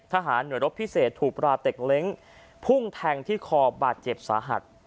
ทหารหน่วยรบพิเศษถูกปลาเต็กเล้งพุ่งแทงที่คอบาดเจ็บสาหัส